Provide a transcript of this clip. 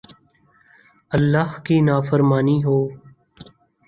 ، اللہ کی نافرمانی ہو